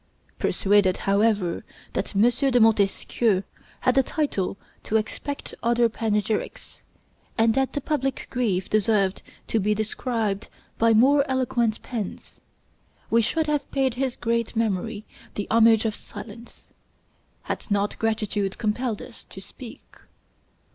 Persuaded, however, that M. de Montesquieu had a title to expect other panegyrics, and that the public grief deserved to be described by more eloquent pens, we should have paid his great memory the homage of silence, had not gratitude compelled us to speak.